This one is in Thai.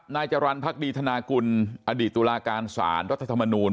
นายจรรย์ภาคดีธนกุลอดีตุลาการสารทศมนูล